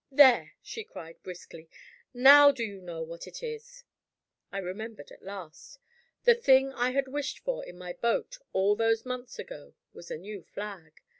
"There!" she cried, briskly, "now do you know what it is?" I remembered at last. The thing I had wished for in my boat, all those months ago, was a new flag.